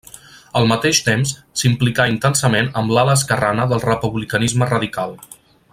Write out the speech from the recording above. Al mateix temps, s'implicà intensament amb l'ala esquerrana del republicanisme radical.